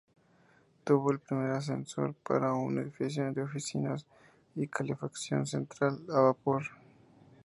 Tuvo el primer ascensor para un edificio de oficinas y calefacción central a vapor.